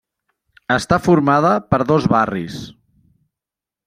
Està formada per dos barris: